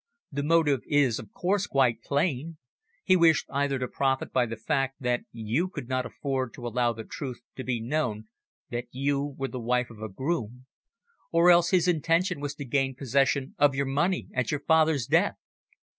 The motive is, of course, quite plain. He wished either to profit by the fact that you could not afford to allow the truth to be known that you were the wife of a groom, or else his intention was to gain possession of your money at your father's death.